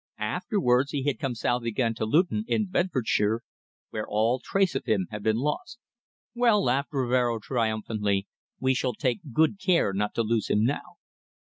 Afterwards he had come south again to Luton, in Bedfordshire, where all trace of him had been lost. "Well," laughed Rivero triumphantly, "we shall take good care not to lose him now!"